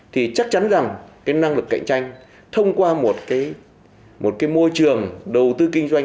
thì chắc chắn rằng năng lực cạnh tranh thông qua một môi trường đầu tư kinh doanh